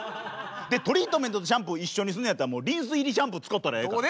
でトリートメントとシャンプー一緒にすんねやったらもうリンス入りシャンプー使ったらええから。